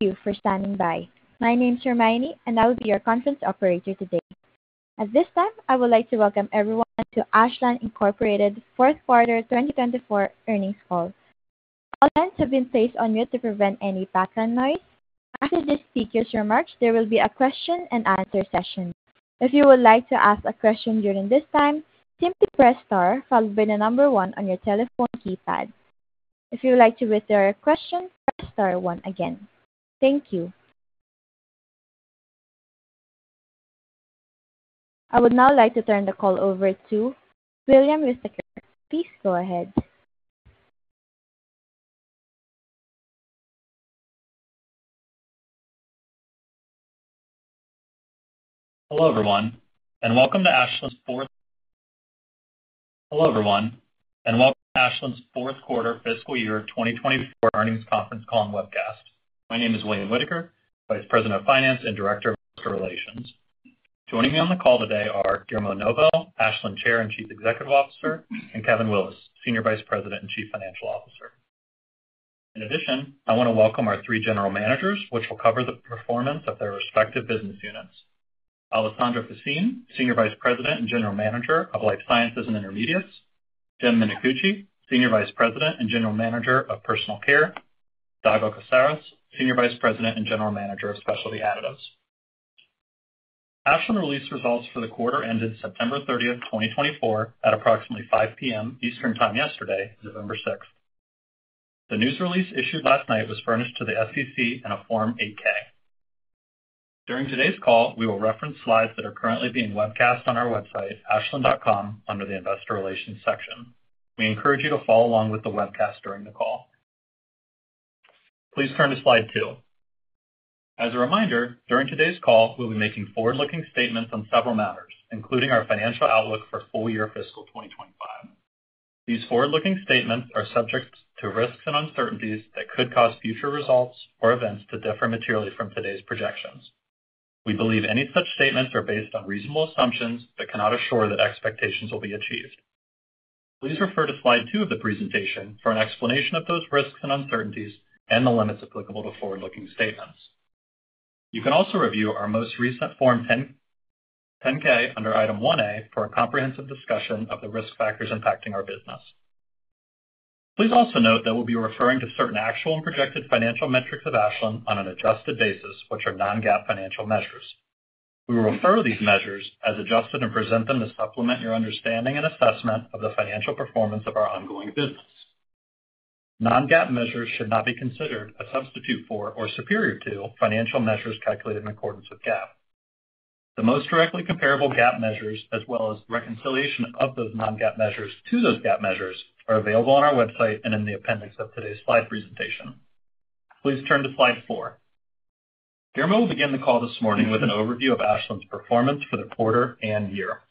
Thank you for standing by. My name is Jermaine, and I will be your conference operator today. At this time, I would like to welcome everyone to Ashland Incorporated's fourth quarter 2024 earnings call. All hands have been placed on mute to prevent any background noise. After this speaker's remarks, there will be a question-and-answer session. If you would like to ask a question during this time, simply press star followed by the number one on your telephone keypad. If you would like to withdraw your question, press star one again. Thank you. I would now like to turn the call over to William Whitaker. Please go ahead. Hello everyone, and welcome to Ashland's fourth quarter fiscal year 2024 earnings conference call and webcast. My name is William Whitaker, Vice President of Finance and Director of Investor Relations. Joining me on the call today are Guillermo Novo, Ashland Chair and Chief Executive Officer, and Kevin Willis, Senior Vice President and Chief Financial Officer. In addition, I want to welcome our three general managers, which will cover the performance of their respective business units: Alessandra Faccin, Senior Vice President and General Manager of Life Sciences and Intermediates; Jim Minicucci, Senior Vice President and General Manager of Personal Care; Dago Caceres, Senior Vice President and General Manager of Specialty Additives. Ashland released results for the quarter ended September 30, 2024, at approximately 5:00 P.M. Eastern Time yesterday, November 6th. The news release issued last night was furnished to the SEC in a Form 8-K. During today's call, we will reference slides that are currently being webcast on our website, ashland.com, under the Investor Relations section. We encourage you to follow along with the webcast during the call. Please turn to slide two. As a reminder, during today's call, we'll be making forward-looking statements on several matters, including our financial outlook for full-year fiscal 2025. These forward-looking statements are subject to risks and uncertainties that could cause future results or events to differ materially from today's projections. We believe any such statements are based on reasonable assumptions but cannot assure that expectations will be achieved. Please refer to slide two of the presentation for an explanation of those risks and uncertainties and the limits applicable to forward-looking statements. You can also review our most recent Form 10-K under Item 1A for a comprehensive discussion of the risk factors impacting our business. Please also note that we'll be referring to certain actual and projected financial metrics of Ashland on an adjusted basis, which are non-GAAP financial measures. We will refer to these measures as adjusted and present them to supplement your understanding and assessment of the financial performance of our ongoing business. Non-GAAP measures should not be considered a substitute for or superior to financial measures calculated in accordance with GAAP. The most directly comparable GAAP measures, as well as reconciliation of those non-GAAP measures to those GAAP measures, are available on our website and in the appendix of today's slide presentation. Please turn to slide four. Guillermo will begin the call this morning with an overview of Ashland's performance for the quarter and year.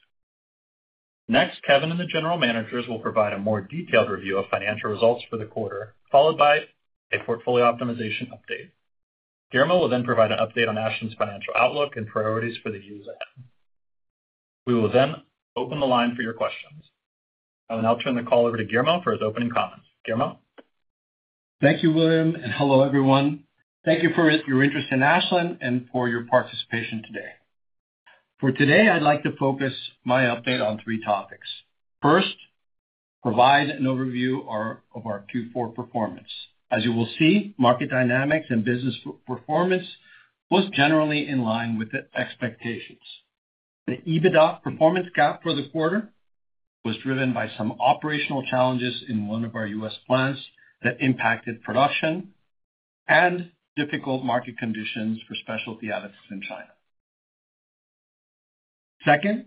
Next, Kevin and the general managers will provide a more detailed review of financial results for the quarter, followed by a portfolio optimization update. Guillermo will then provide an update on Ashland's financial outlook and priorities for the years ahead. We will then open the line for your questions. I will now turn the call over to Guillermo for his opening comments. Guillermo. Thank you, William, and hello everyone. Thank you for your interest in Ashland and for your participation today. For today, I'd like to focus my update on three topics. First, provide an overview of our Q4 performance. As you will see, market dynamics and business performance was generally in line with expectations. The EBITDA performance gap for the quarter was driven by some operational challenges in one of our U.S. plants that impacted production and difficult market conditions for Specialty Additives in China. Second,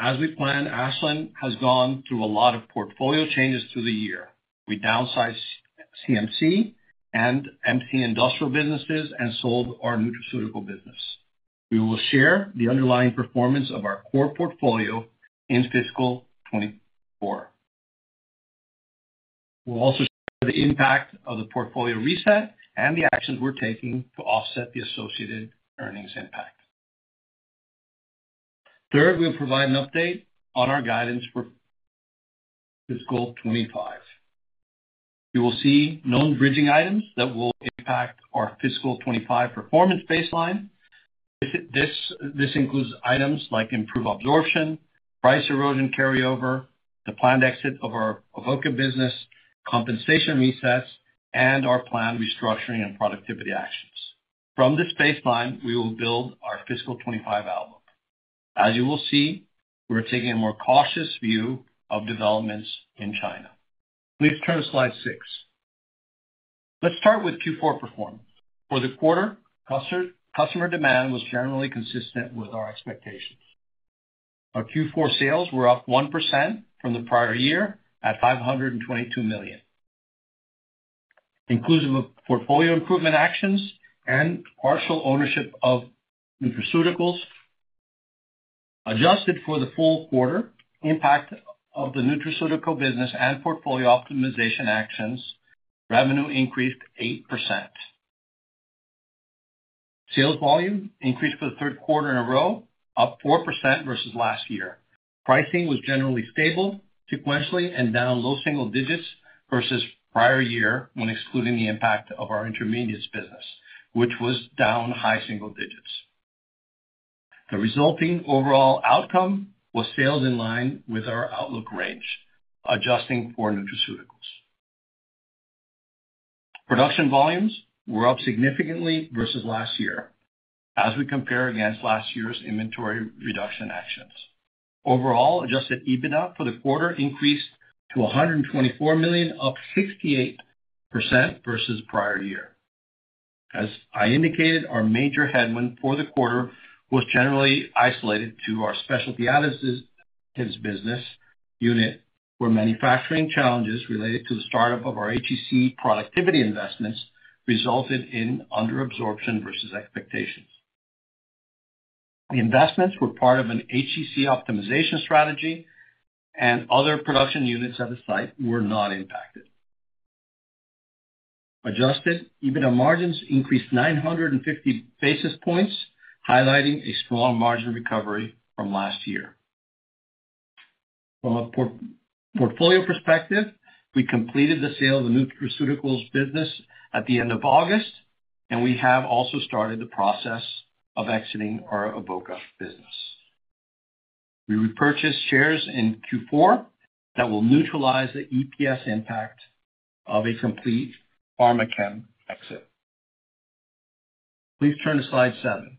as we plan, Ashland has gone through a lot of portfolio changes through the year. We downsized CMC and MC industrial businesses and sold our Nutraceuticals business. We will share the underlying performance of our core portfolio in fiscal 2024. We'll also share the impact of the portfolio reset and the actions we're taking to offset the associated earnings impact. Third, we'll provide an update on our guidance for fiscal 2025. You will see known bridging items that will impact our fiscal 2025 performance baseline. This includes items like improved absorption, price erosion carryover, the planned exit of our Avoca business, compensation resets, and our planned restructuring and productivity actions. From this baseline, we will build our fiscal 2025 outlook. As you will see, we're taking a more cautious view of developments in China. Please turn to slide six. Let's start with Q4 performance. For the quarter, customer demand was generally consistent with our expectations. Our Q4 sales were up 1% from the prior year at $522 million. Inclusive of portfolio improvement actions and partial ownership of Nutraceuticals adjusted for the full quarter, impact of the Nutraceutical business and portfolio optimization actions, revenue increased 8%. Sales volume increased for the third quarter in a row, up 4% versus last year. Pricing was generally stable, sequentially and down low single digits versus prior year when excluding the impact of our Intermediates business, which was down high single digits. The resulting overall outcome was sales in line with our outlook range, adjusting for Nutraceuticals. Production volumes were up significantly versus last year as we compare against last year's inventory reduction actions. Overall, Adjusted EBITDA for the quarter increased to $124 million, up 68% versus prior year. As I indicated, our major headwind for the quarter was generally isolated to our Specialty Additives business unit where manufacturing challenges related to the startup of our HEC productivity investments resulted in underabsorption versus expectations. The investments were part of an HEC optimization strategy, and other production units at the site were not impacted. Adjusted EBITDA margins increased 950 basis points, highlighting a strong margin recovery from last year. From a portfolio perspective, we completed the sale of the Nutraceuticals business at the end of August, and we have also started the process of exiting our Avoca business. We repurchased shares in Q4 that will neutralize the EPS impact of a complete Pharmachem exit. Please turn to slide seven.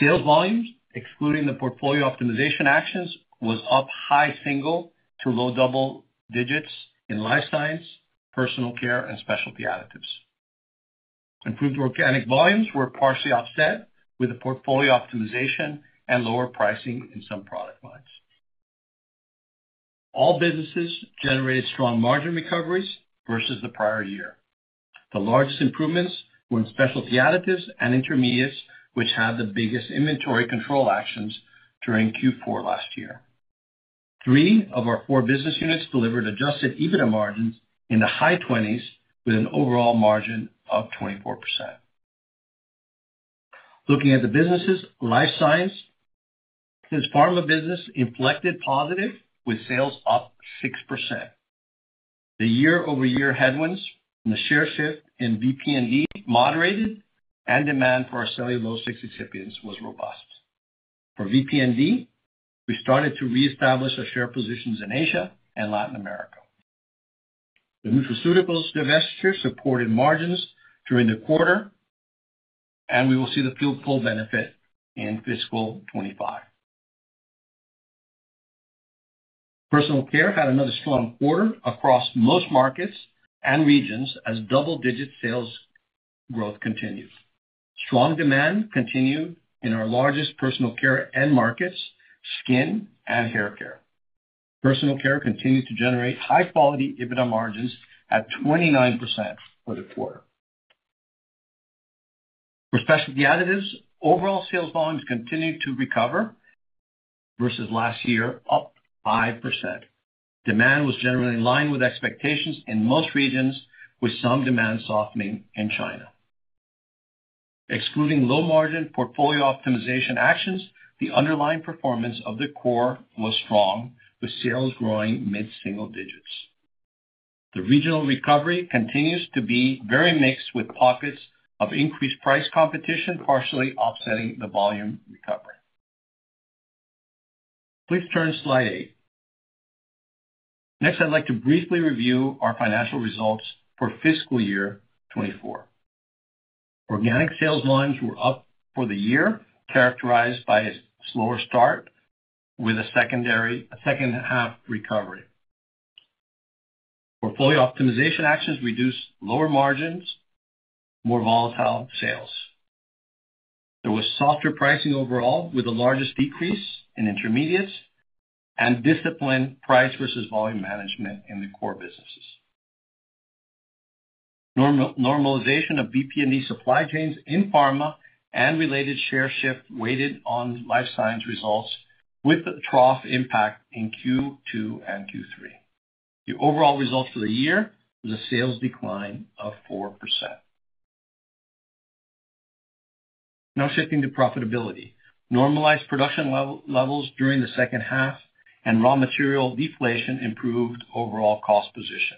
Sales volumes, excluding the portfolio optimization actions, were up high single- to low double-digits in Life Sciences, Personal Care, and Specialty Additives. Improved organic volumes were partially offset with the portfolio optimization and lower pricing in some product lines. All businesses generated strong margin recoveries versus the prior year. The largest improvements were in Specialty Additives and Intermediates, which had the biggest inventory control actions during Q4 last year. Three of our four business units delivered Adjusted EBITDA margins in the high 20s with an overall margin of 24%. Looking at the businesses, Life Sciences' pharma business inflected positive with sales up 6%. The year-over-year headwinds and the share shift in VP&D moderated, and demand for our cellulose excipients was robust. For VP&D, we started to reestablish our share positions in Asia and Latin America. The Nutraceuticals divestiture supported margins during the quarter, and we will see the full benefit in fiscal 2025. Personal Care had another strong quarter across most markets and regions as double-digit sales growth continued. Strong demand continued in our largest Personal Care end markets, skin and hair care. Personal Care continued to generate high-quality EBITDA margins at 29% for the quarter. For Specialty Additives, overall sales volumes continued to recover versus last year, up 5%. Demand was generally in line with expectations in most regions, with some demand softening in China. Excluding low-margin portfolio optimization actions, the underlying performance of the core was strong, with sales growing mid-single digits. The regional recovery continues to be very mixed with pockets of increased price competition, partially offsetting the volume recovery. Please turn to slide eight. Next, I'd like to briefly review our financial results for fiscal year 2024. Organic sales volumes were up for the year, characterized by a slower start with a second-half recovery. Portfolio optimization actions reduced lower margins, more volatile sales. There was softer pricing overall, with the largest decrease in Intermediates and disciplined price versus volume management in the core businesses. Normalization of VP&D supply chains in pharma and related share shift weighed on Life Sciences results with the trough impact in Q2 and Q3. The overall results for the year were a sales decline of 4%. Now shifting to profitability. Normalized production levels during the second half and raw material deflation improved overall cost position.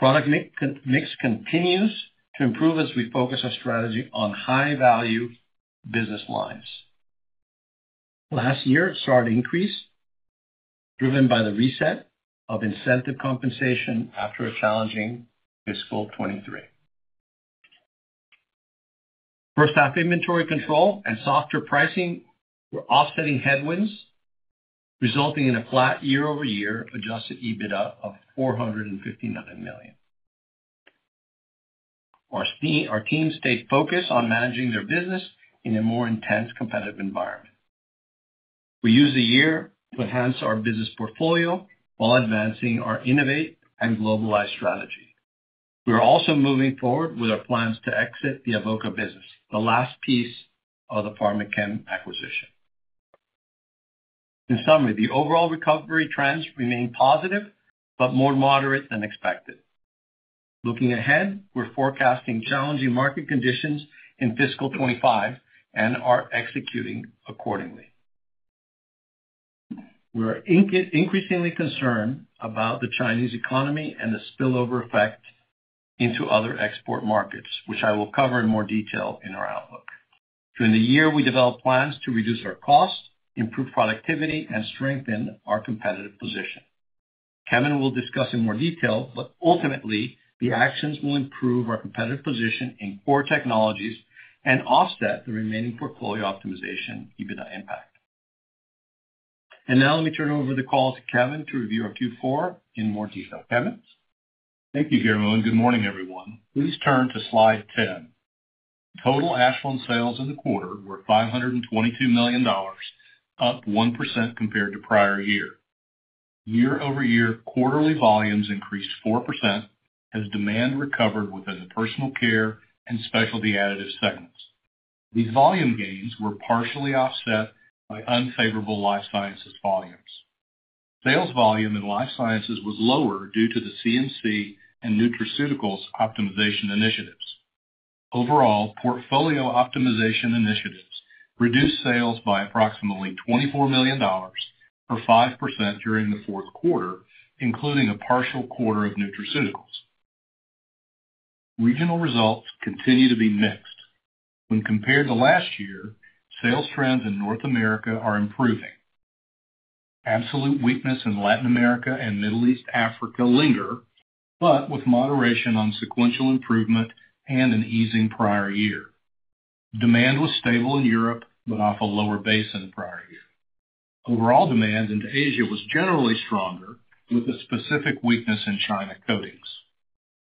Product mix continues to improve as we focus our strategy on high-value business lines. Last year, it started to increase driven by the reset of incentive compensation after a challenging fiscal 2023. First-half inventory control and softer pricing were offsetting headwinds, resulting in a flat year-over-year Adjusted EBITDA of $459 million. Our teams stayed focused on managing their business in a more intense competitive environment. We used the year to enhance our business portfolio while advancing our innovate and globalize strategy. We are also moving forward with our plans to exit the Avoca business, the last piece of the Pharmachem acquisition. In summary, the overall recovery trends remain positive but more moderate than expected. Looking ahead, we're forecasting challenging market conditions in fiscal 2025 and are executing accordingly. We are increasingly concerned about the Chinese economy and the spillover effect into other export markets, which I will cover in more detail in our outlook. During the year, we developed plans to reduce our costs, improve productivity, and strengthen our competitive position. Kevin will discuss in more detail, but ultimately, the actions will improve our competitive position in core technologies and offset the remaining portfolio optimization EBITDA impact. And now let me turn over the call to Kevin to review our Q4 in more detail. Kevin. Thank you, Guillermo. Good morning, everyone. Please turn to Slide 10. Total Ashland sales in the quarter were $522 million, up 1% compared to prior year. Year-over-year, quarterly volumes increased 4% as demand recovered within the Personal Care and Specialty Additive segments. These volume gains were partially offset by unfavorable Life Sciences volumes. Sales volume in Life Sciences was lower due to the CMC and Nutraceuticals optimization initiatives. Overall, portfolio optimization initiatives reduced sales by approximately $24 million or 5% during the fourth quarter, including a partial quarter of Nutraceuticals. Regional results continue to be mixed. When compared to last year, sales trends in North America are improving. Absolute weakness in Latin America and Middle East and Africa lingers, but with moderation on sequential improvement and an easing prior year. Demand was stable in Europe but off a lower base in the prior year. Overall, demand into Asia was generally stronger, with a specific weakness in China coatings.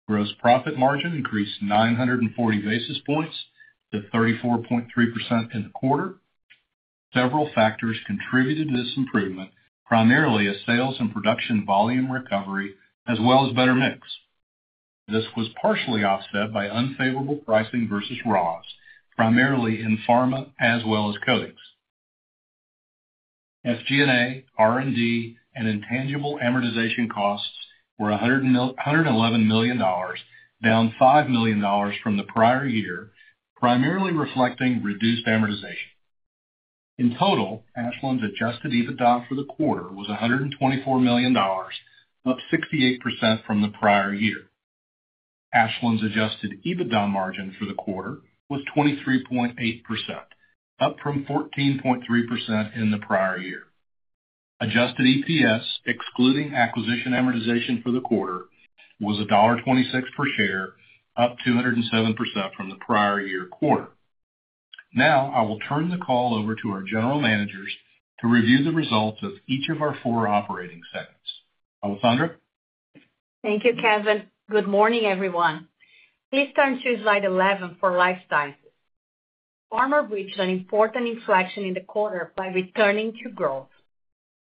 Gross profit margin increased 940 basis points to 34.3% in the quarter. Several factors contributed to this improvement, primarily a sales and production volume recovery, as well as better mix. This was partially offset by unfavorable pricing versus raws, primarily in pharma as well as coatings. SG&A, R&D, and intangible amortization costs were $111 million, down $5 million from the prior year, primarily reflecting reduced amortization. In total, Ashland's Adjusted EBITDA for the quarter was $124 million, up 68% from the prior year. Ashland's Adjusted EBITDA margin for the quarter was 23.8%, up from 14.3% in the prior year. Adjusted EPS, excluding acquisition amortization for the quarter, was $1.26 per share, up 207% from the prior year quarter. Now I will turn the call over to our general managers to review the results of each of our four operating segments. Alessandra. Thank you, Kevin. Good morning, everyone. Please turn to slide 11 for Life Sciences. Pharma reached an important inflection in the quarter by returning to growth.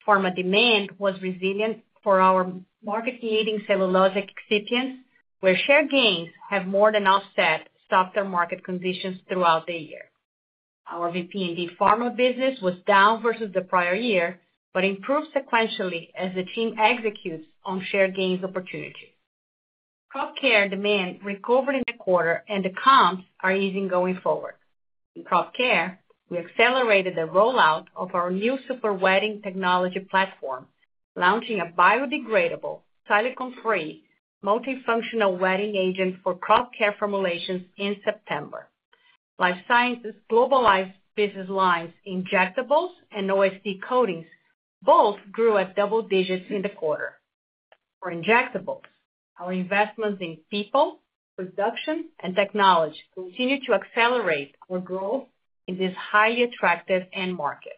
Pharma demand was resilient for our market-leading cellulose excipients, where share gains have more than offset softer market conditions throughout the year. Our VP&D pharma business was down versus the prior year but improved sequentially as the team executes on share gains opportunity. Crop care demand recovered in the quarter, and the comps are easing going forward. In crop care, we accelerated the rollout of our new super-wetting technology platform, launching a biodegradable, silicone-free, multifunctional wetting agent for crop care formulations in September. Life Sciences globalized business lines, Injectables, and OSD Coatings both grew at double digits in the quarter. For injectables, our investments in people, production, and technology continue to accelerate our growth in this highly attractive end market.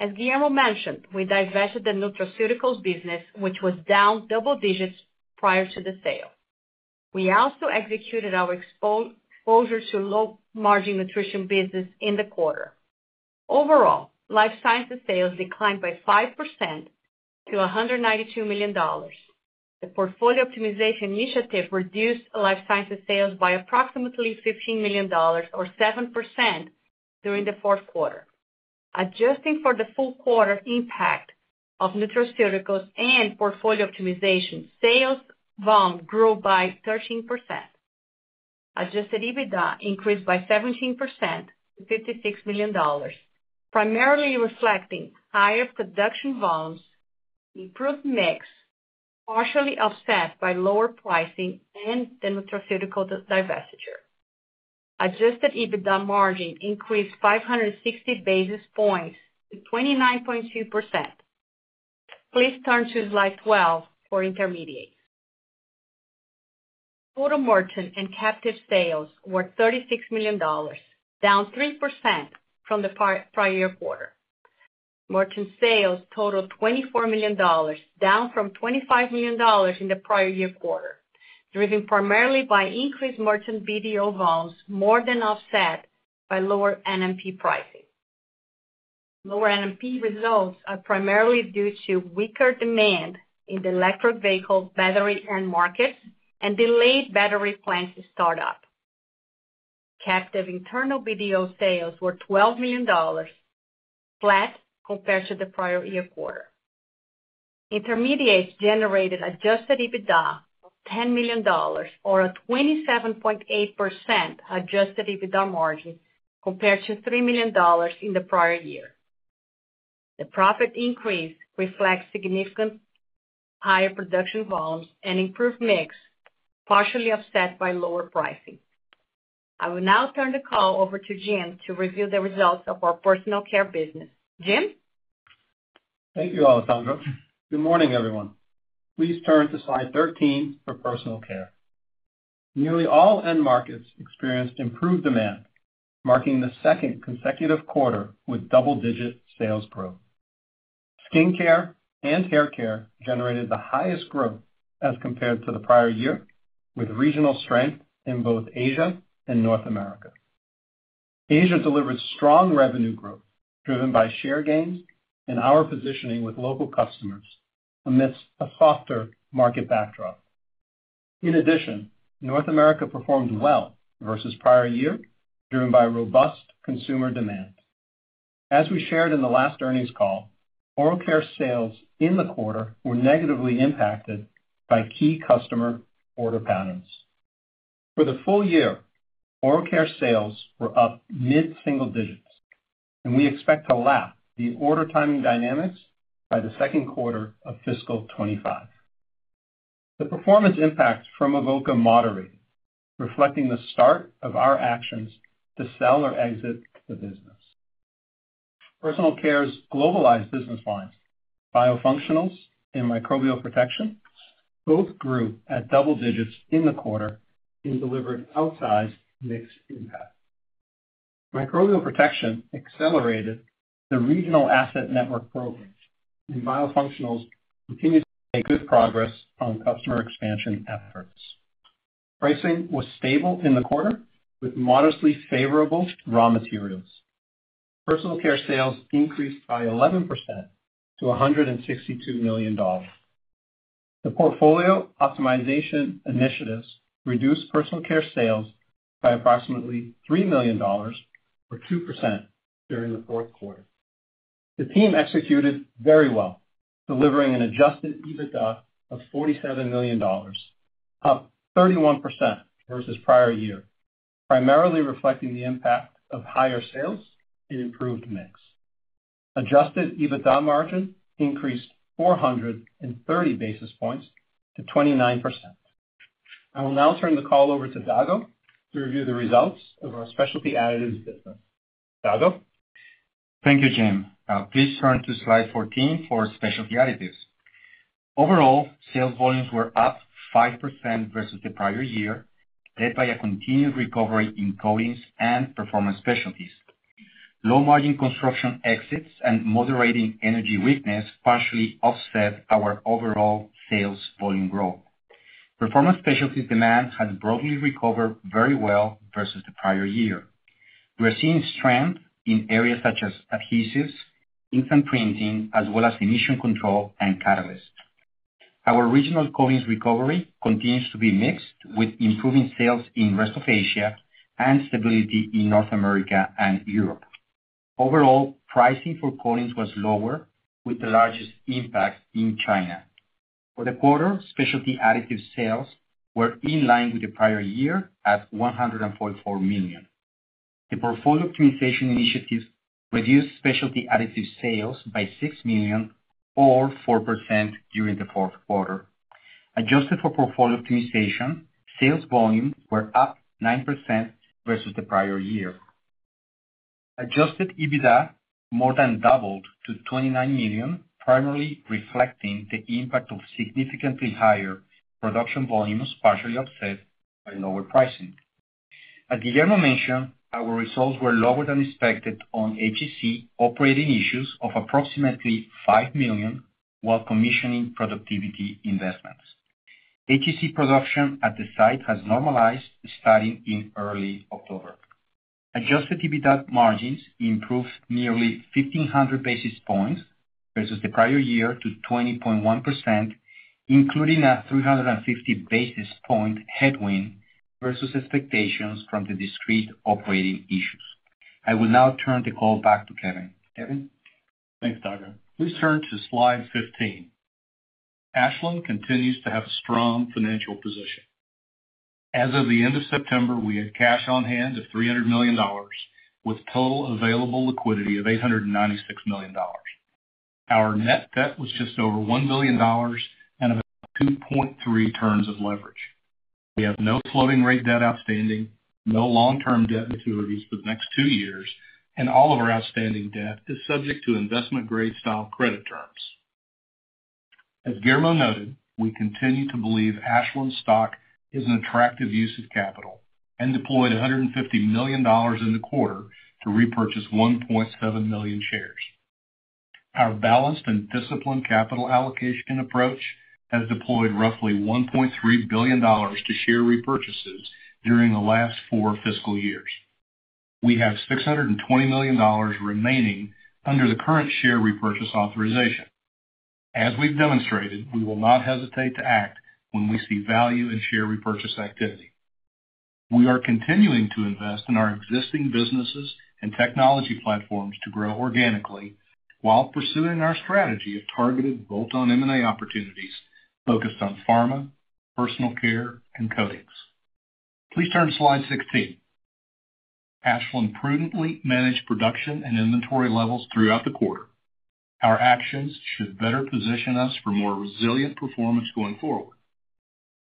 As Guillermo mentioned, we divested the Nutraceuticals business, which was down double digits prior to the sale. We also exited our exposure to low-margin nutrition business in the quarter. Overall, Life Sciences sales declined by 5% to $192 million. The portfolio optimization initiative reduced Life Sciences sales by approximately $15 million, or 7%, during the fourth quarter. Adjusting for the full quarter impact of Nutraceuticals and portfolio optimization, sales volume grew by 13%. Adjusted EBITDA increased by 17% to $56 million, primarily reflecting higher production volumes, improved mix, partially offset by lower pricing and the Nutraceutical divestiture. Adjusted EBITDA margin increased 560 basis points to 29.2%. Please turn to slide 12 for Intermediates. Total merchant and captive sales were $36 million, down 3% from the prior year quarter. Merchant sales totaled $24 million, down from $25 million in the prior year quarter, driven primarily by increased merchant BDO volumes, more than offset by lower NMP pricing. Lower NMP results are primarily due to weaker demand in the electric vehicle battery end markets and delayed battery plant startup. Captive internal BDO sales were $12 million, flat compared to the prior year quarter. Intermediates generated Adjusted EBITDA of $10 million, or a 27.8% Adjusted EBITDA margin compared to $3 million in the prior year. The profit increase reflects significant higher production volumes and improved mix, partially offset by lower pricing. I will now turn the call over to Jim to review the results of our Personal Care business. Jim? Thank you, Alessandra. Good morning, everyone. Please turn to slide 13 for Personal Care. Nearly all end markets experienced improved demand, marking the second consecutive quarter with double-digit sales growth. Skin care and hair care generated the highest growth as compared to the prior year, with regional strength in both Asia and North America. Asia delivered strong revenue growth driven by share gains and our positioning with local customers amidst a softer market backdrop. In addition, North America performed well versus prior year, driven by robust consumer demand. As we shared in the last earnings call, oral care sales in the quarter were negatively impacted by key customer order patterns. For the full-year, oral care sales were up mid-single digits, and we expect to lap the order timing dynamics by the second quarter of fiscal 2025. The performance impact from Avoca moderated, reflecting the start of our actions to sell or exit the business. Personal Care's globalized business lines, Biofunctionals and Microbial Protection, both grew at double digits in the quarter and delivered outsized mixed impact. Microbial Protection accelerated the regional asset network programs, and Biofunctionals continued to make good progress on customer expansion efforts. Pricing was stable in the quarter, with modestly favorable raw materials. Personal Care sales increased by 11% to $162 million. The portfolio optimization initiatives reduced Personal Care sales by approximately $3 million, or 2%, during the fourth quarter. The team executed very well, delivering an Adjusted EBITDA of $47 million, up 31% versus prior year, primarily reflecting the impact of higher sales and improved mix. Adjusted EBITDA margin increased 430 basis points to 29%. I will now turn the call over to Dago to review the results of our Specialty Additives business. Dago? Thank you, Jim. Please turn to slide 14 for Specialty Additives. Overall, sales volumes were up 5% versus the prior year, led by a continued recovery in coatings and performance specialties. Low-margin construction exits and moderating energy weakness partially offset our overall sales volume growth. Performance specialties demand has broadly recovered very well versus the prior year. We are seeing strength in areas such as adhesives, ink and printing, as well as emission control and catalysts. Our regional coatings recovery continues to be mixed, with improving sales in Rest of Asia and stability in North America and Europe. Overall, pricing for coatings was lower, with the largest impact in China. For the quarter, Specialty Additive sales were in line with the prior year at $144 million. The portfolio optimization initiatives reduced Specialty Additive sales by $6 million, or 4%, during the fourth quarter. Adjusted for portfolio optimization, sales volumes were up 9% versus the prior year. Adjusted EBITDA more than doubled to $29 million, primarily reflecting the impact of significantly higher production volumes, partially offset by lower pricing. As Guillermo mentioned, our results were lower than expected on HEC operating issues of approximately $5 million while commissioning productivity investments. HEC production at the site has normalized, starting in early October. Adjusted EBITDA margins improved nearly 1,500 basis points versus the prior year to 20.1%, including a 350 basis point headwind versus expectations from the discrete operating issues. I will now turn the call back to Kevin. Kevin? Thanks, Dago. Please turn to slide 15. Ashland continues to have a strong financial position. As of the end of September, we had cash on hand of $300 million, with total available liquidity of $896 million. Our net debt was just over $1 billion and about 2.3 turns of leverage. We have no floating rate debt outstanding, no long-term debt maturities for the next two years, and all of our outstanding debt is subject to investment-grade style credit terms. As Guillermo noted, we continue to believe Ashland stock is an attractive use of capital and deployed $150 million in the quarter to repurchase 1.7 million shares. Our balanced and disciplined capital allocation approach has deployed roughly $1.3 billion to share repurchases during the last four fiscal years. We have $620 million remaining under the current share repurchase authorization. As we've demonstrated, we will not hesitate to act when we see value in share repurchase activity. We are continuing to invest in our existing businesses and technology platforms to grow organically while pursuing our strategy of targeted bolt-on M&A opportunities focused on pharma, Personal Care, and coatings. Please turn to slide 16. Ashland prudently managed production and inventory levels throughout the quarter. Our actions should better position us for more resilient performance going forward.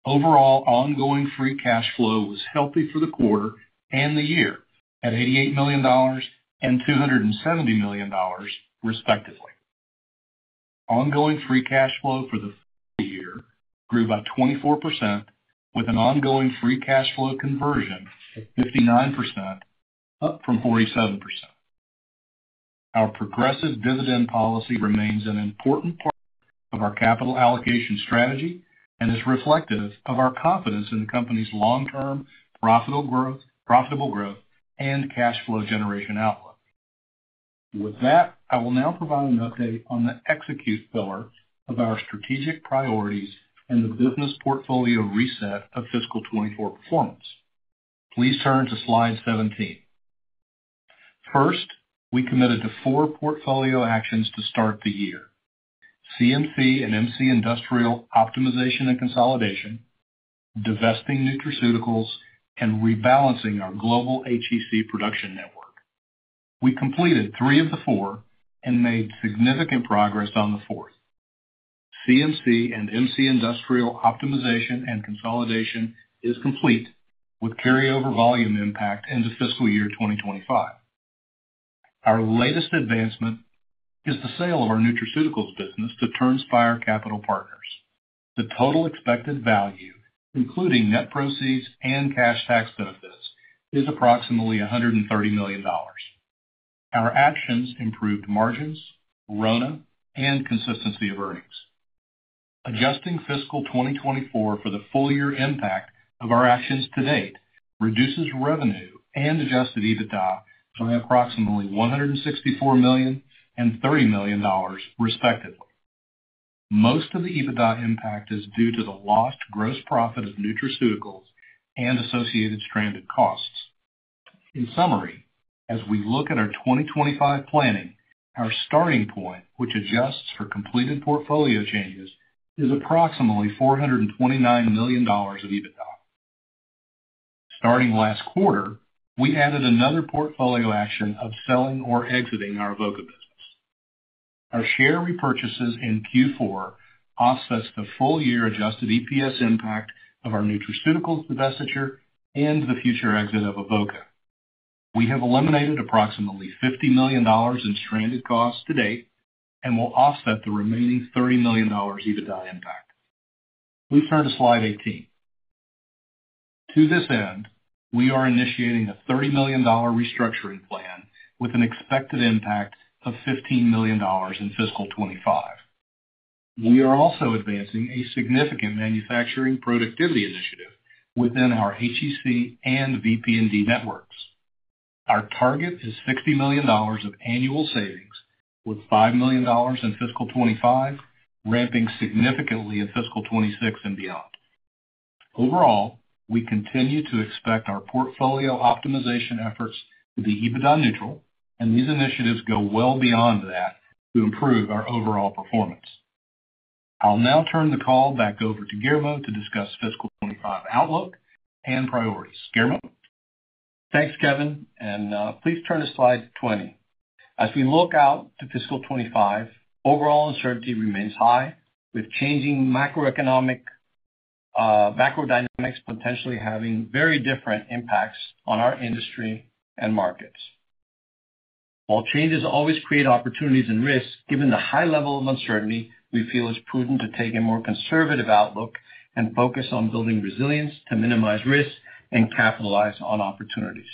Overall, ongoing free cash flow was healthy for the quarter and the year at $88 million and $270 million, respectively. Ongoing free cash flow for the year grew by 24%, with an ongoing free cash flow conversion of 59%, up from 47%. Our progressive dividend policy remains an important part of our capital allocation strategy and is reflective of our confidence in the company's long-term profitable growth and cash flow generation outlook. With that, I will now provide an update on the execute pillar of our strategic priorities and the business portfolio reset of fiscal 2024 performance. Please turn to slide 17. First, we committed to four portfolio actions to start the year: CMC and MC Industrial Optimization and Consolidation, divesting Nutraceuticals, and rebalancing our global HEC production network. We completed three of the four and made significant progress on the fourth. CMC and MC Industrial Optimization and Consolidation is complete, with carryover volume impact into fiscal year 2025. Our latest advancement is the sale of our Nutraceuticals business to Turnspire Capital Partners. The total expected value, including net proceeds and cash tax benefits, is approximately $130 million. Our actions improved margins, RONA, and consistency of earnings. Adjusting fiscal 2024 for the full-year impact of our actions to date reduces revenue and Adjusted EBITDA by approximately $164 million and $30 million, respectively. Most of the EBITDA impact is due to the lost gross profit of Nutraceuticals and associated stranded costs. In summary, as we look at our 2025 planning, our starting point, which adjusts for completed portfolio changes, is approximately $429 million of EBITDA. Starting last quarter, we added another portfolio action of selling or exiting our Avoca business. Our share repurchases in Q4 offset the full-year adjusted EPS impact of our Nutraceuticals divestiture and the future exit of Avoca. We have eliminated approximately $50 million in stranded costs to date and will offset the remaining $30 million EBITDA impact. Please turn to slide 18. To this end, we are initiating a $30 million restructuring plan with an expected impact of $15 million in fiscal 25. We are also advancing a significant manufacturing productivity initiative within our HEC and VP&D networks. Our target is $60 million of annual savings, with $5 million in fiscal 25, ramping significantly in fiscal 26 and beyond. Overall, we continue to expect our portfolio optimization efforts to be EBITDA neutral, and these initiatives go well beyond that to improve our overall performance. I'll now turn the call back over to Guillermo to discuss fiscal 25 outlook and priorities. Guillermo? Thanks, Kevin. And please turn to slide 20. As we look out to fiscal 25, overall uncertainty remains high, with changing macroeconomic dynamics potentially having very different impacts on our industry and markets. While changes always create opportunities and risks, given the high level of uncertainty, we feel it's prudent to take a more conservative outlook and focus on building resilience to minimize risk and capitalize on opportunities.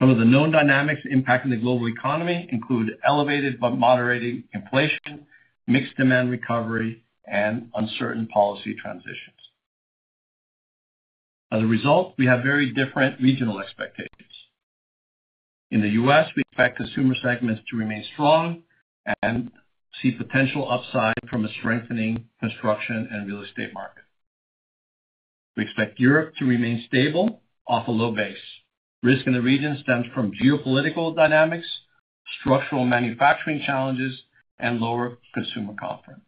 Some of the known dynamics impacting the global economy include elevated but moderating inflation, mixed demand recovery, and uncertain policy transitions. As a result, we have very different regional expectations. In the U.S., we expect consumer segments to remain strong and see potential upside from a strengthening construction and real estate market. We expect Europe to remain stable off a low base. Risk in the region stems from geopolitical dynamics, structural manufacturing challenges, and lower consumer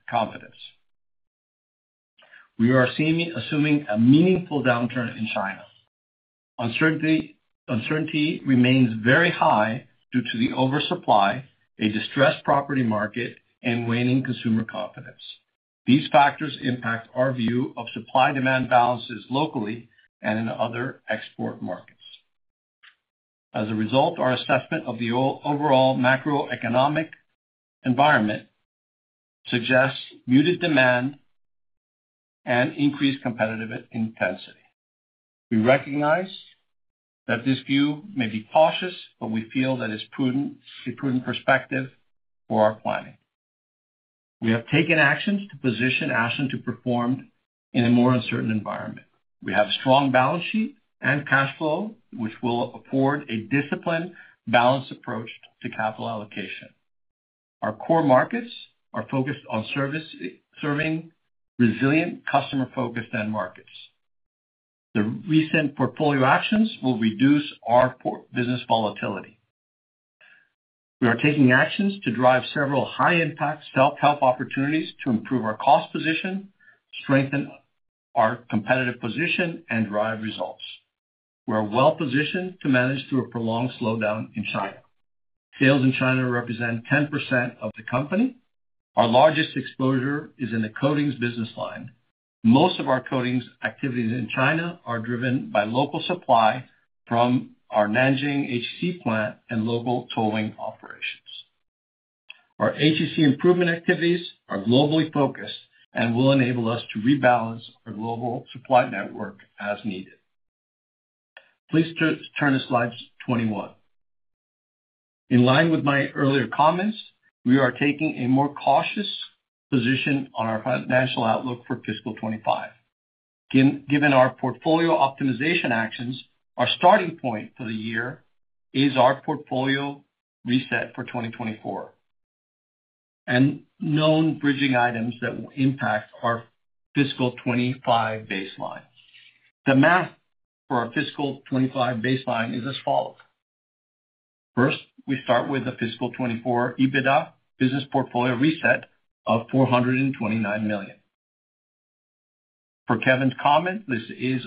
confidence. We are assuming a meaningful downturn in China. Uncertainty remains very high due to the oversupply, a distressed property market, and waning consumer confidence. These factors impact our view of supply-demand balances locally and in other export markets. As a result, our assessment of the overall macroeconomic environment suggests muted demand and increased competitive intensity. We recognize that this view may be cautious, but we feel that it's a prudent perspective for our planning. We have taken actions to position Ashland to perform in a more uncertain environment. We have a strong balance sheet and cash flow, which will afford a disciplined balance approach to capital allocation. Our core markets are focused on serving resilient, customer-focused end markets. The recent portfolio actions will reduce our business volatility. We are taking actions to drive several high-impact self-help opportunities to improve our cost position, strengthen our competitive position, and drive results. We are well-positioned to manage through a prolonged slowdown in China. Sales in China represent 10% of the company. Our largest exposure is in the coatings business line. Most of our coatings activities in China are driven by local supply from our Nanjing HEC plant and local tolling operations. Our HEC improvement activities are globally focused and will enable us to rebalance our global supply network as needed. Please turn to slide 21. In line with my earlier comments, we are taking a more cautious position on our financial outlook for fiscal 2025. Given our portfolio optimization actions, our starting point for the year is our portfolio reset for 2024 and known bridging items that will impact our fiscal 2025 baseline. The math for our fiscal 2025 baseline is as follows. First, we start with the fiscal 2024 EBITDA business portfolio reset of $429 million. For Kevin's comment, this is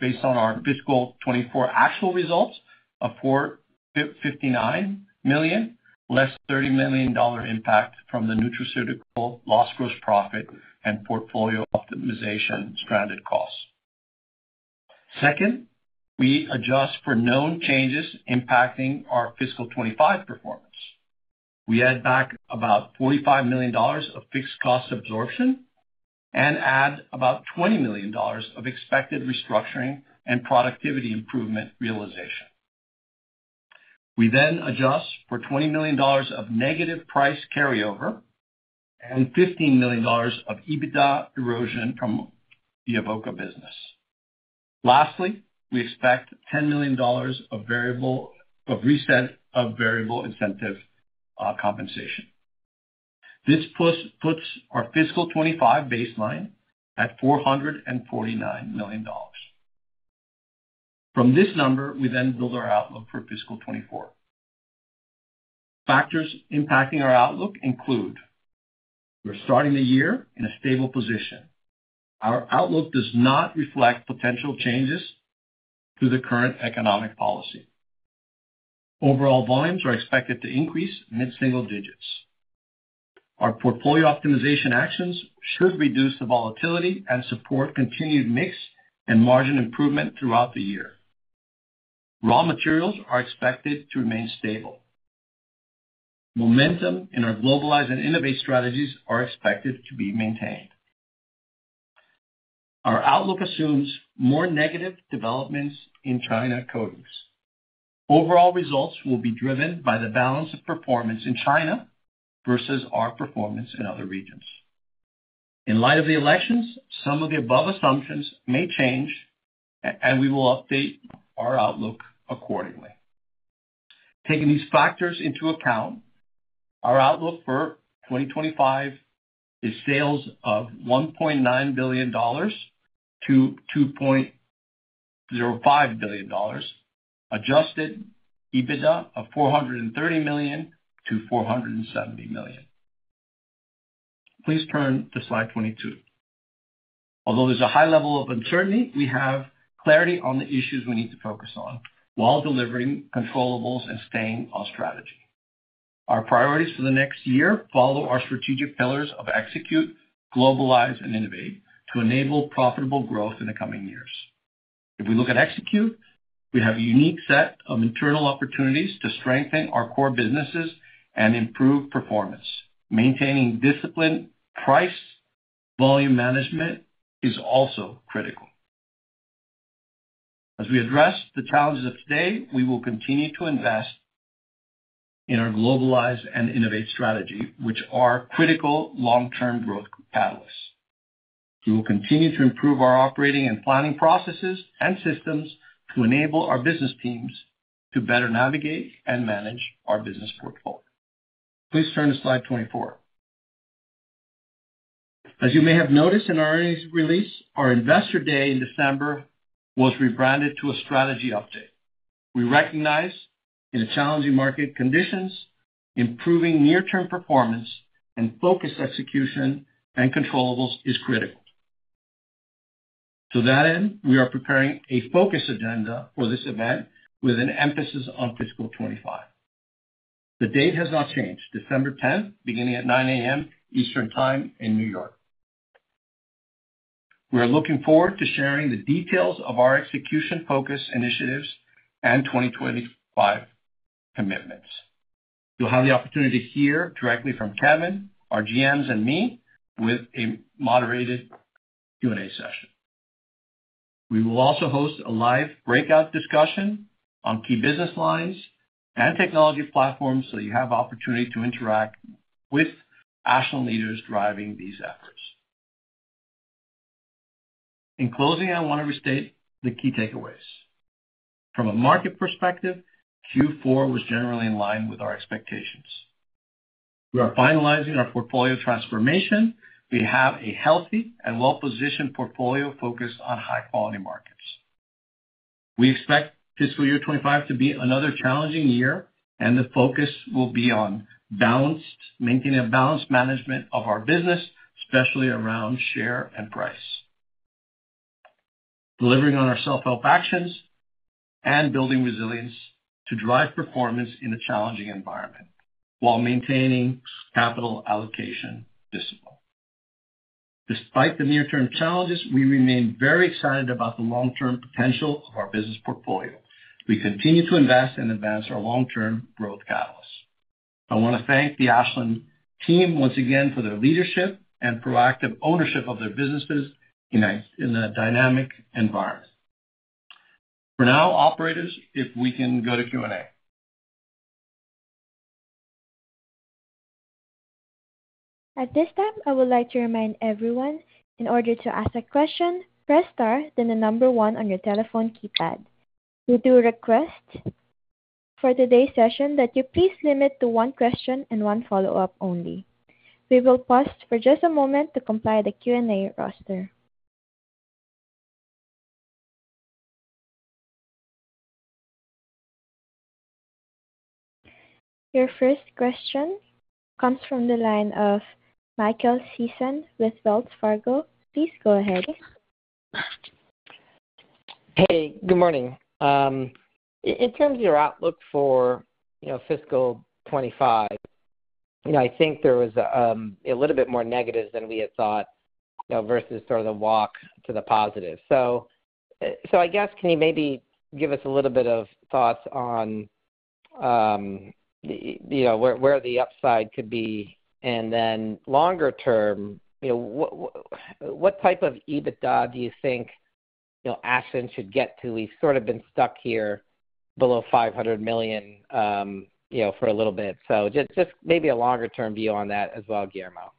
based on our fiscal 2024 actual results of $459 million, less $30 million impact from the Nutraceuticals loss gross profit and portfolio optimization stranded costs. Second, we adjust for known changes impacting our fiscal 2025 performance. We add back about $45 million of fixed cost absorption and add about $20 million of expected restructuring and productivity improvement realization. We then adjust for $20 million of negative price carryover and $15 million of EBITDA erosion from the Avoca business. Lastly, we expect $10 million of reset of variable incentive compensation. This puts our fiscal 2025 baseline at $449 million. From this number, we then build our outlook for fiscal 2024. Factors impacting our outlook include we're starting the year in a stable position. Our outlook does not reflect potential changes to the current economic policy. Overall volumes are expected to increase mid-single digits. Our portfolio optimization actions should reduce the volatility and support continued mix and margin improvement throughout the year. Raw materials are expected to remain stable. Momentum in our globalize and innovate strategies are expected to be maintained. Our outlook assumes more negative developments in China coatings. Overall results will be driven by the balance of performance in China versus our performance in other regions. In light of the elections, some of the above assumptions may change, and we will update our outlook accordingly. Taking these factors into account, our outlook for 2025 is sales of $1.9 billion-$2.05 billion, Adjusted EBITDA of $430 million-$470 million. Please turn to slide 22. Although there's a high level of uncertainty, we have clarity on the issues we need to focus on while delivering controllable and staying on strategy. Our priorities for the next year follow our strategic pillars of execute, globalize, and innovate to enable profitable growth in the coming years. If we look at execution, we have a unique set of internal opportunities to strengthen our core businesses and improve performance. Maintaining disciplined price volume management is also critical. As we address the challenges of today, we will continue to invest in our globalize and innovate strategy, which are critical long-term growth catalysts. We will continue to improve our operating and planning processes and systems to enable our business teams to better navigate and manage our business portfolio. Please turn to slide 24. As you may have noticed in our earnings release, our Investor Day in December was rebranded to a strategy update. We recognize in challenging market conditions, improving near-term performance and focused execution and controllables is critical. To that end, we are preparing a focused agenda for this event with an emphasis on fiscal 2025. The date has not changed: December 10th, beginning at 9:00 A.M. Eastern Time in New York. We are looking forward to sharing the details of our execution focus initiatives and 2025 commitments. You'll have the opportunity to hear directly from Kevin, our GMs, and me with a moderated Q&A session. We will also host a live breakout discussion on key business lines and technology platforms so you have the opportunity to interact with Ashland leaders driving these efforts. In closing, I want to restate the key takeaways. From a market perspective, Q4 was generally in line with our expectations. We are finalizing our portfolio transformation. We have a healthy and well-positioned portfolio focused on high-quality markets. We expect fiscal year 2025 to be another challenging year, and the focus will be on maintaining a balanced management of our business, especially around share and price, delivering on our self-help actions and building resilience to drive performance in a challenging environment while maintaining capital allocation discipline. Despite the near-term challenges, we remain very excited about the long-term potential of our business portfolio. We continue to invest and advance our long-term growth catalysts. I want to thank the Ashland team once again for their leadership and proactive ownership of their businesses in a dynamic environment. For now, operators, if we can go to Q&A. At this time, I would like to remind everyone in order to ask a question, press star, then the number one on your telephone keypad. We do request for today's session that you please limit to one question and one follow-up only. We will pause for just a moment to comply with the Q&A roster. Your first question comes from the line of Michael Sison with Wells Fargo. Please go ahead. Hey, good morning. In terms of your outlook for fiscal 2025, I think there was a little bit more negatives than we had thought versus sort of the walk to the positive. So I guess, can you maybe give us a little bit of thoughts on where the upside could be? And then longer term, what type of EBITDA do you think Ashland should get to? We've sort of been stuck here below $500 million for a little bit. So just maybe a longer-term view on that as well, Guillermo.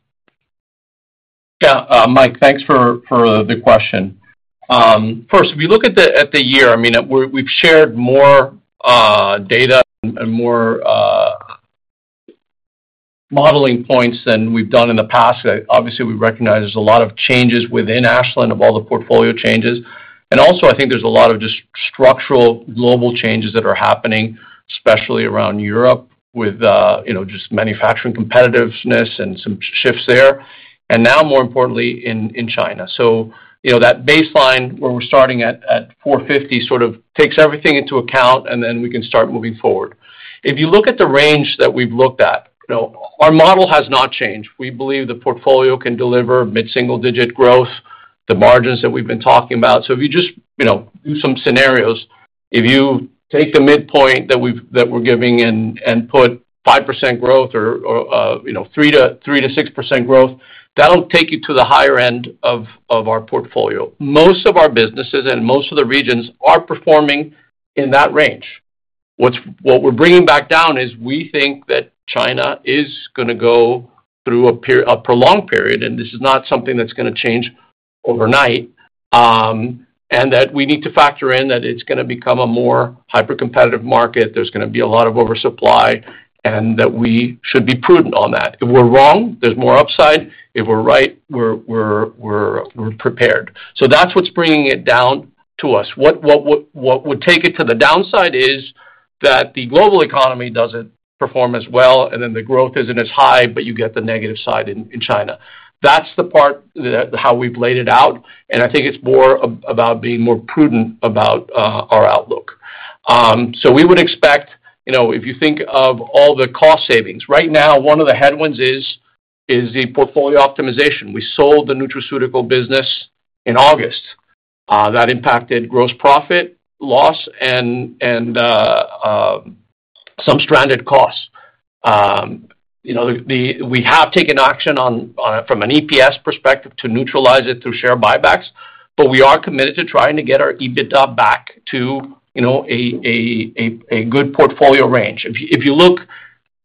Yeah, Mike, thanks for the question. First, if we look at the year, I mean, we've shared more data and more modeling points than we've done in the past. Obviously, we recognize there's a lot of changes within Ashland of all the portfolio changes, and also, I think there's a lot of just structural global changes that are happening, especially around Europe with just manufacturing competitiveness and some shifts there, and now, more importantly, in China. That baseline where we're starting at 450 sort of takes everything into account, and then we can start moving forward. If you look at the range that we've looked at, our model has not changed. We believe the portfolio can deliver mid-single digit growth, the margins that we've been talking about. If you just do some scenarios, if you take the midpoint that we're giving and put 5% growth or 3%-6% growth, that'll take you to the higher end of our portfolio. Most of our businesses and most of the regions are performing in that range. What we're bringing back down is we think that China is going to go through a prolonged period, and this is not something that's going to change overnight, and that we need to factor in that it's going to become a more hyper-competitive market. There's going to be a lot of oversupply, and that we should be prudent on that. If we're wrong, there's more upside. If we're right, we're prepared. So that's what's bringing it down to us. What would take it to the downside is that the global economy doesn't perform as well, and then the growth isn't as high, but you get the negative side in China. That's the part of how we've laid it out, and I think it's more about being more prudent about our outlook. So we would expect, if you think of all the cost savings, right now, one of the headwinds is the portfolio optimization. We sold the Nutraceutical business in August. That impacted gross profit loss and some stranded costs. We have taken action from an EPS perspective to neutralize it through share buybacks, but we are committed to trying to get our EBITDA back to a good portfolio range. If you look at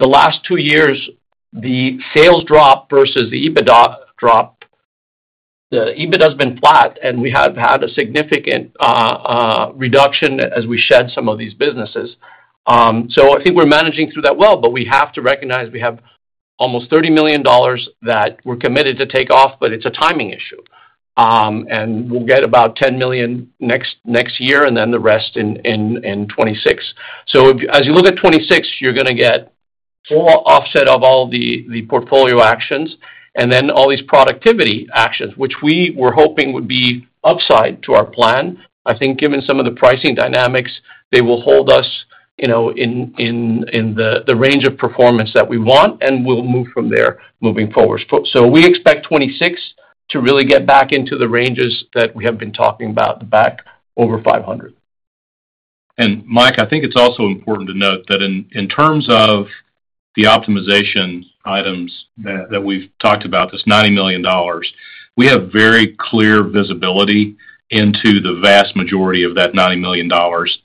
the last two years, the sales drop versus the EBITDA drop, the EBITDA has been flat, and we have had a significant reduction as we shed some of these businesses. So I think we're managing through that well, but we have to recognize we have almost $30 million that we're committed to take off, but it's a timing issue, and we'll get about $10 million next year and then the rest in 2026. So as you look at 2026, you're going to get full offset of all the portfolio actions and then all these productivity actions, which we were hoping would be upside to our plan. I think given some of the pricing dynamics, they will hold us in the range of performance that we want, and we'll move from there moving forward. So we expect 2026 to really get back into the ranges that we have been talking about back over 500. And Mike, I think it's also important to note that in terms of the optimization items that we've talked about, this $90 million, we have very clear visibility into the vast majority of that $90 million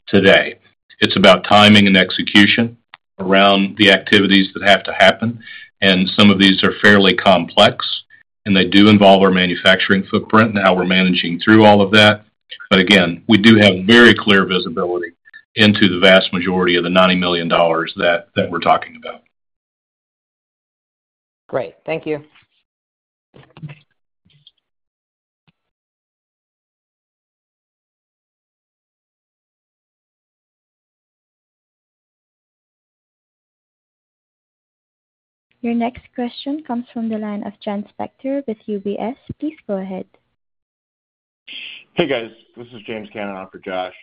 today. It's about timing and execution around the activities that have to happen. And some of these are fairly complex, and they do involve our manufacturing footprint and how we're managing through all of that. But again, we do have very clear visibility into the vast majority of the $90 million that we're talking about. Great. Thank you. Your next question comes from the line of Josh Spector with UBS. Please go ahead. Hey, guys. This is James Cannon on for Josh.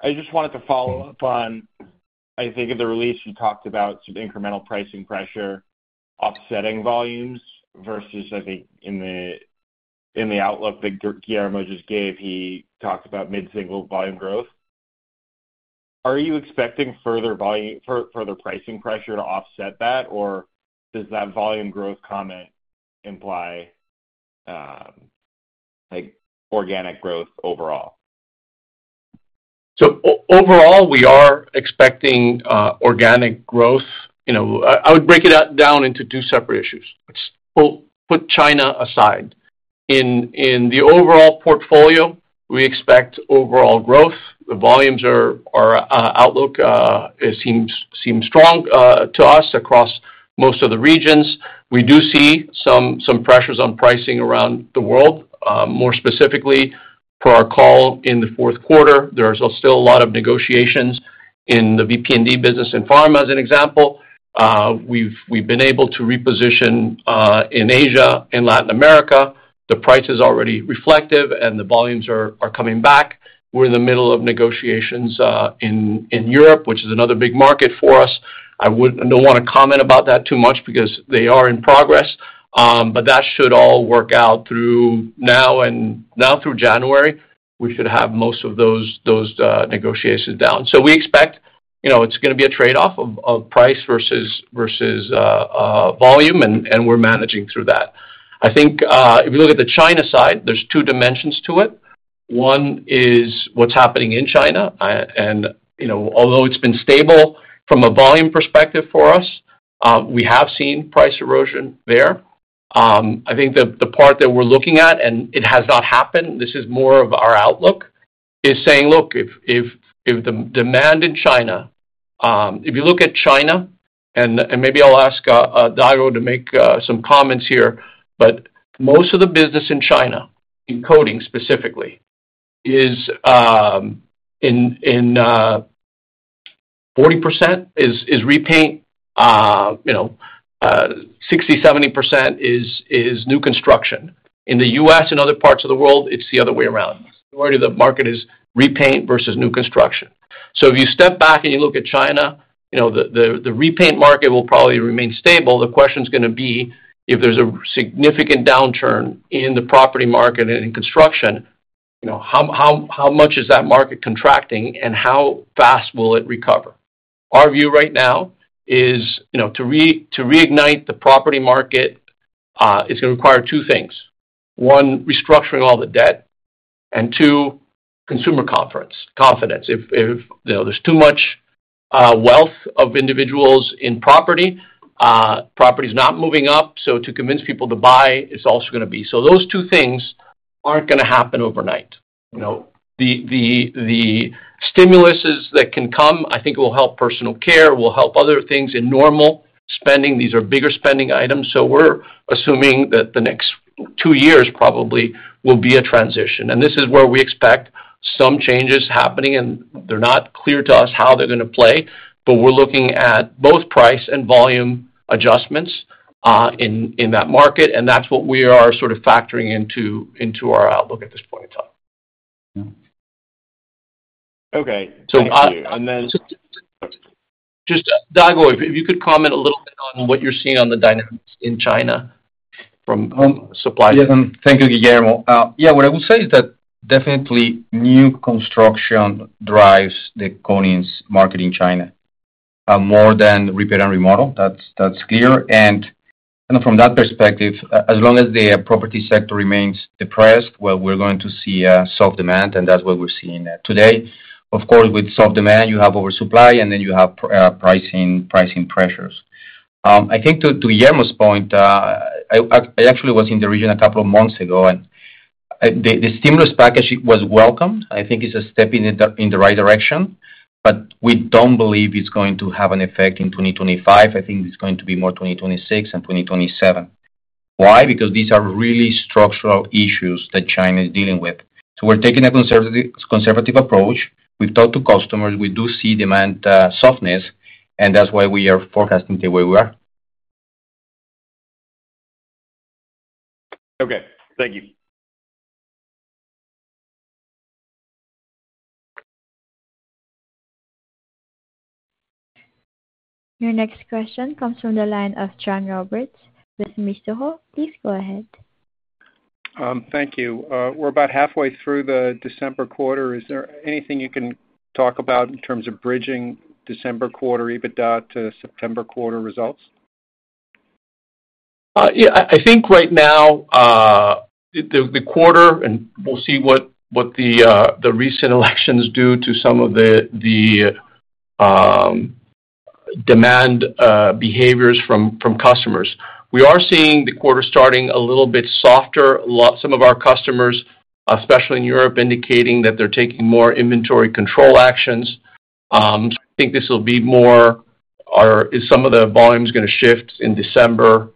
I just wanted to follow-up on, I think, the release you talked about, incremental pricing pressure offsetting volumes versus, I think, in the outlook that Guillermo just gave, he talked about mid-single volume growth. Are you expecting further pricing pressure to offset that, or does that volume growth comment imply organic growth overall? So overall, we are expecting organic growth. I would break it down into two separate issues. Put China aside. In the overall portfolio, we expect overall growth. The volumes or outlook seem strong to us across most of the regions. We do see some pressures on pricing around the world. More specifically, for our call in the fourth quarter, there are still a lot of negotiations in the VP&D business in pharma, as an example. We've been able to reposition in Asia and Latin America. The price is already reflective, and the volumes are coming back. We're in the middle of negotiations in Europe, which is another big market for us. I don't want to comment about that too much because they are in progress, but that should all work out through now and now through January. We should have most of those negotiations down. So we expect it's going to be a trade-off of price versus volume, and we're managing through that. I think if you look at the China side, there's two dimensions to it. One is what's happening in China. And although it's been stable from a volume perspective for us, we have seen price erosion there. I think the part that we're looking at, and it has not happened, this is more of our outlook, is saying, "Look, if the demand in China" if you look at China, and maybe I'll ask Dago to make some comments here, but most of the business in China, in coating specifically, is 40% is repaint, 60%-70% is new construction. In the U.S. and other parts of the world, it's the other way around. The majority of the market is repaint versus new construction. So if you step back and you look at China, the repaint market will probably remain stable. The question's going to be, if there's a significant downturn in the property market and in construction, how much is that market contracting, and how fast will it recover? Our view right now is to reignite the property market is going to require two things. One, restructuring all the debt, and two, consumer confidence. If there's too much wealth of individuals in property, property is not moving up. So to convince people to buy, it's also going to be. So those two things aren't going to happen overnight. The stimulus that can come, I think it will help Personal Care, will help other things in normal spending. These are bigger spending items. So we're assuming that the next two years probably will be a transition. And this is where we expect some changes happening, and they're not clear to us how they're going to play, but we're looking at both price and volume adjustments in that market. And that's what we are sort of factoring into our outlook at this point in time. Okay. Thank you. And then. Dago, if you could comment a little bit on what you're seeing on the dynamics in China from supply. Thank you, Guillermo. Yeah, what I would say is that definitely new construction drives the coatings market in China more than repair and remodel. That's clear. And from that perspective, as long as the property sector remains depressed, well, we're going to see soft demand, and that's what we're seeing today. Of course, with soft demand, you have oversupply, and then you have pricing pressures. I think to Guillermo's point, I actually was in the region a couple of months ago, and the stimulus package was welcomed. I think it's a step in the right direction, but we don't believe it's going to have an effect in 2025. I think it's going to be more 2026 and 2027. Why? Because these are really structural issues that China is dealing with. So we're taking a conservative approach. We've talked to customers. We do see demand softness, and that's why we are forecasting the way we are. Okay. Thank you. Your next question comes from the line of John Roberts with Mizuho. Please go ahead. Thank you. We're about halfway through the December quarter. Is there anything you can talk about in terms of bridging December quarter EBITDA to September quarter results? Yeah. I think right now, the quarter, and we'll see what the recent elections do to some of the demand behaviors from customers. We are seeing the quarter starting a little bit softer. Some of our customers, especially in Europe, indicating that they're taking more inventory control actions. So I think this will be more as some of the volume is going to shift in December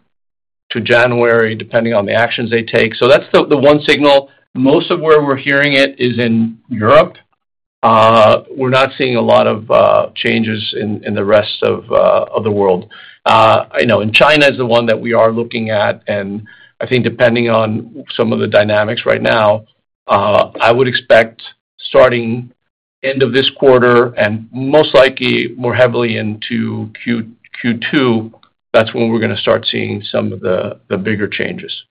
to January, depending on the actions they take. So that's the one signal. Most of where we're hearing it is in Europe. We're not seeing a lot of changes in the rest of the world and China is the one that we are looking at, and I think depending on some of the dynamics right now, I would expect starting end of this quarter and most likely more heavily into Q2, that's when we're going to start seeing some of the bigger changes.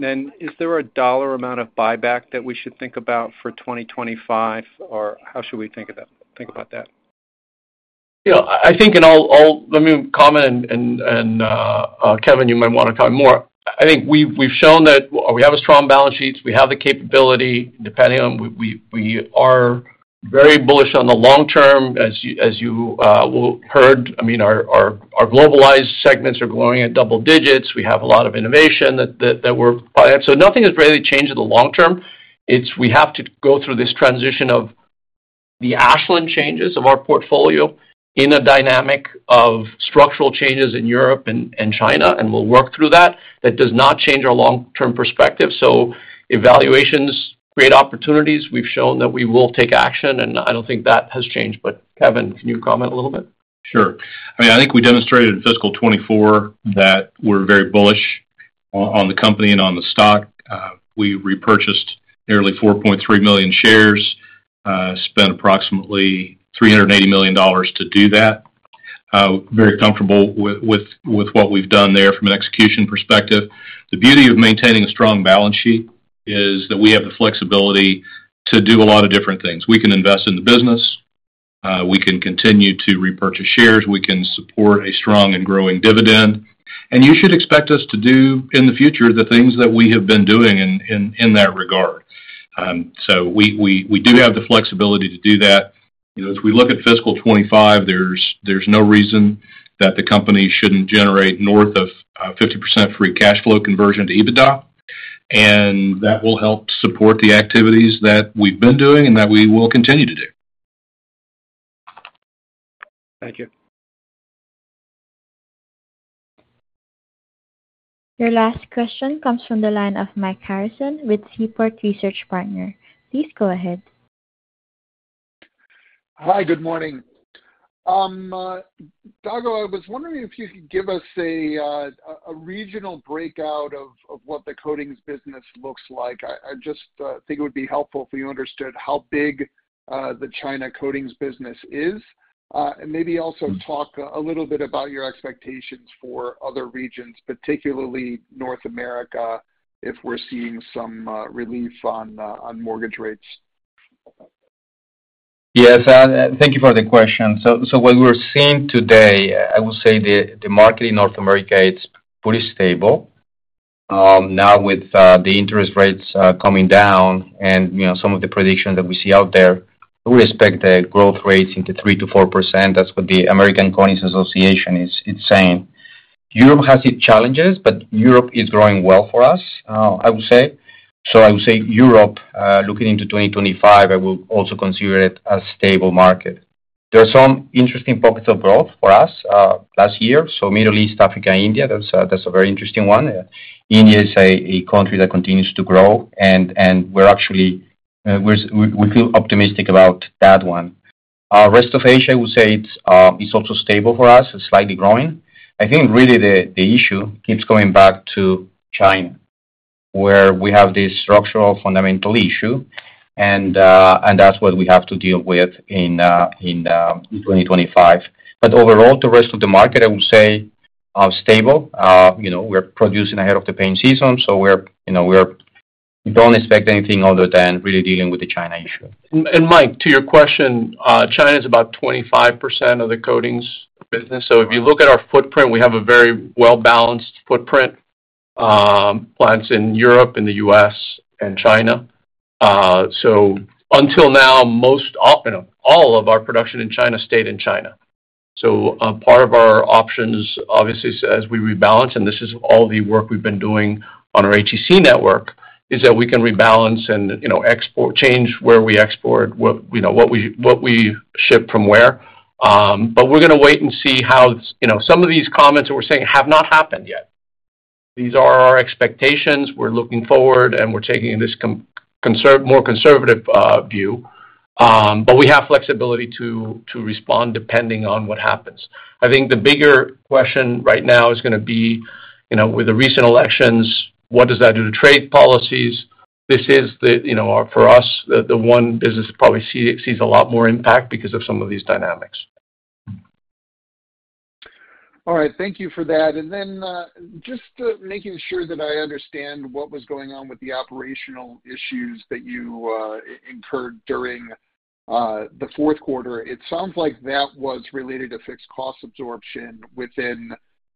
Then is there a dollar amount of buyback that we should think about for 2025, or how should we think about that? Yeah. I think overall let me comment, and Kevin, you might want to comment more. I think we've shown that we have a strong balance sheet. We have the capability. Depending on, we are very bullish on the long term, as you heard. I mean, our globalized segments are growing at double digits. We have a lot of innovation that we're driving. So nothing has really changed in the long term. We have to go through this transition of the Ashland changes of our portfolio in a dynamic of structural changes in Europe and China, and we'll work through that. That does not change our long-term perspective. So valuations create opportunities. We've shown that we will take action, and I don't think that has changed. Kevin, can you comment a little bit? Sure. I mean, I think we demonstrated in fiscal 2024 that we're very bullish on the company and on the stock. We repurchased nearly 4.3 million shares, spent approximately $380 million to do that. Very comfortable with what we've done there from an execution perspective. The beauty of maintaining a strong balance sheet is that we have the flexibility to do a lot of different things. We can invest in the business. We can continue to repurchase shares. We can support a strong and growing dividend. And you should expect us to do in the future the things that we have been doing in that regard. So we do have the flexibility to do that. As we look at fiscal 2025, there's no reason that the company shouldn't generate north of 50% free cash flow conversion to EBITDA. And that will help support the activities that we've been doing and that we will continue to do. Thank you. Your last question comes from the line of Mike Harrison with Seaport Research Partners. Please go ahead. Hi. Good morning. Dago, I was wondering if you could give us a regional breakout of what the coatings business looks like. I just think it would be helpful if you understood how big the China coatings business is and maybe also talk a little bit about your expectations for other regions, particularly North America, if we're seeing some relief on mortgage rates. Yes. Thank you for the question. So what we're seeing today, I would say the market in North America, it's pretty stable. Now with the interest rates coming down and some of the predictions that we see out there, we expect the growth rates into 3%-4%. That's what the American Coatings Association is saying. Europe has its challenges, but Europe is growing well for us, I would say. So I would say Europe looking into 2025, I would also consider it a stable market. There are some interesting pockets of growth for us last year. So Middle East, Africa, India, that's a very interesting one. India is a country that continues to grow, and we actually feel optimistic about that one. Rest of Asia, I would say it's also stable for us, slightly growing. I think really the issue keeps coming back to China, where we have this structural fundamental issue, and that's what we have to deal with in 2025. But overall, the rest of the market, I would say, are stable. We're producing ahead of the paint season, so we don't expect anything other than really dealing with the China issue. Mike, to your question, China is about 25% of the coatings business. If you look at our footprint, we have a very well-balanced footprint. Plants in Europe, in the U.S., and China. Until now, most often all of our production in China stayed in China. Part of our options, obviously, as we rebalance, and this is all the work we've been doing on our HEC network, is that we can rebalance and export, change where we export, what we ship from where. We're going to wait and see how some of these comments that we're saying have not happened yet. These are our expectations. We're looking forward, and we're taking this more conservative view. We have flexibility to respond depending on what happens. I think the bigger question right now is going to be, with the recent elections, what does that do to trade policies? This is, for us, the one business that probably sees a lot more impact because of some of these dynamics. All right. Thank you for that. And then just making sure that I understand what was going on with the operational issues that you incurred during the fourth quarter. It sounds like that was related to fixed cost absorption within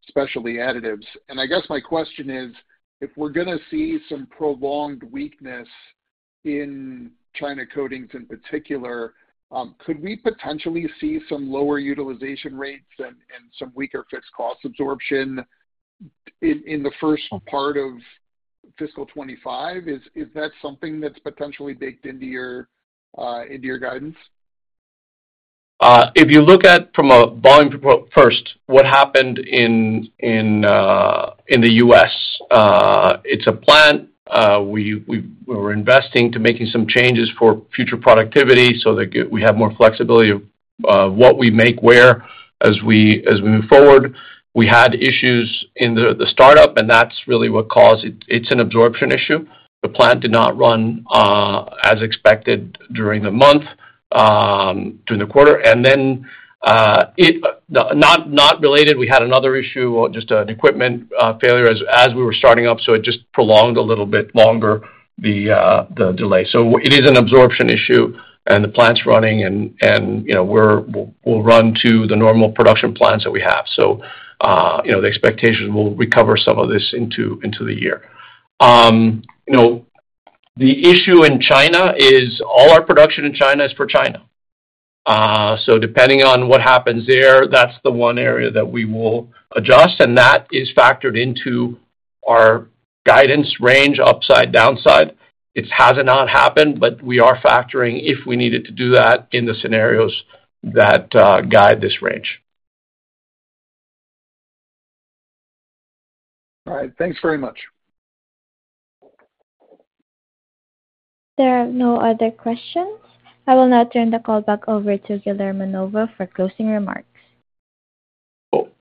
Specialty Additives. And I guess my question is, if we're going to see some prolonged weakness in China coatings in particular, could we potentially see some lower utilization rates and some weaker fixed cost absorption in the first part of fiscal 2025? Is that something that's potentially baked into your guidance? If you look at from a volume first, what happened in the U.S., it's a plant. We were investing in making some changes for future productivity so that we have more flexibility of what we make where as we move forward. We had issues in the startup, and that's really what caused it. It's an absorption issue. The plant did not run as expected during the month, during the quarter, and then, not related, we had another issue, just an equipment failure as we were starting up, so it just prolonged a little bit longer the delay. So it is an absorption issue, and the plant's running, and we'll return to the normal production levels that we have. So the expectation is we'll recover some of this into the year. The issue in China is all our production in China is for China. So depending on what happens there, that's the one area that we will adjust, and that is factored into our guidance range, upside, downside. It has not happened, but we are factoring if we needed to do that in the scenarios that guide this range. All right. Thanks very much. There are no other questions. I will now turn the call back over to Guillermo Novo for closing remarks.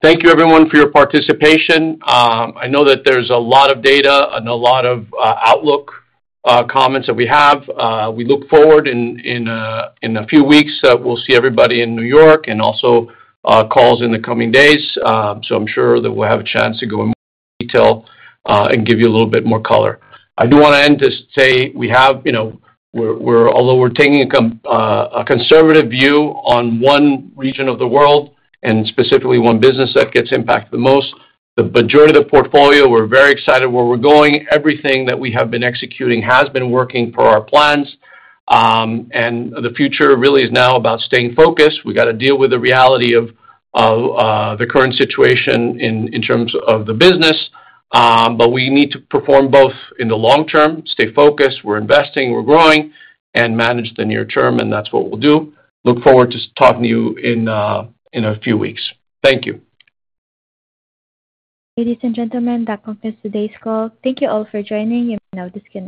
Thank you, everyone, for your participation. I know that there's a lot of data and a lot of outlook comments that we have. We look forward in a few weeks. We'll see everybody in New York and also calls in the coming days. So I'm sure that we'll have a chance to go in more detail and give you a little bit more color. I do want to end to say we have although we're taking a conservative view on one region of the world and specifically one business that gets impacted the most, the majority of the portfolio, we're very excited where we're going. Everything that we have been executing has been working for our plans. And the future really is now about staying focused. We got to deal with the reality of the current situation in terms of the business. But we need to perform both in the long term, stay focused, we're investing, we're growing, and manage the near term, and that's what we'll do. Look forward to talking to you in a few weeks. Thank you. Ladies and gentlemen, that concludes today's call. Thank you all for joining. You may now disconnect.